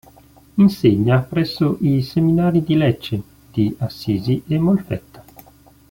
Insegna presso i seminari di Lecce, di Assisi e Molfetta.